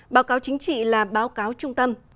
báo cáo chính trị là báo cáo trung tâm